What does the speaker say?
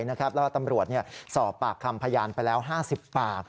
แล้วก็ตำรวจสอบปากคำพยานไปแล้ว๕๐ปาก